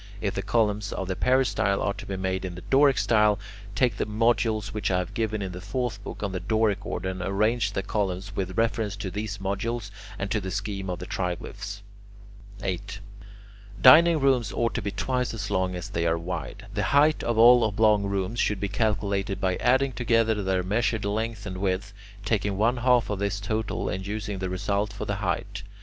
If the columns of the peristyle are to be made in the Doric style, take the modules which I have given in the fourth book, on the Doric order, and arrange the columns with reference to these modules and to the scheme of the triglyphs. [Illustration: From Durm PLAN OF THE HOUSE OF THE VETTII, POMPEII] 8. Dining rooms ought to be twice as long as they are wide. The height of all oblong rooms should be calculated by adding together their measured length and width, taking one half of this total, and using the result for the height.